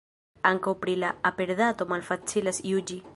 Ankaŭ pri la aperdato malfacilas juĝi.